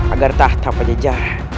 agar tahta penyeja